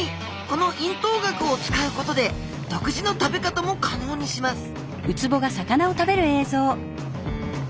この咽頭顎を使うことで独自の食べ方も可能にします